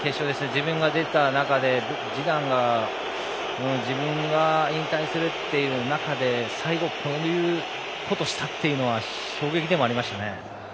自分が出た中で、ジダンが自分が引退するっていう中で最後、ああいうことをしたのは衝撃ではありましたね。